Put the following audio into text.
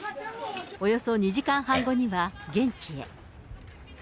およそ２時間半後には現地へ。